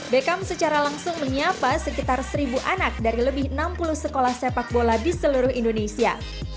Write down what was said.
beckham secara langsung menyapa sekitar seribu anak dari lebih enam puluh sekolah sepak bola di seluruh indonesia